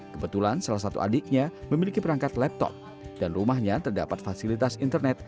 kebetulan salah satu adiknya memiliki perangkat laptop dan rumahnya terdapat fasilitas internet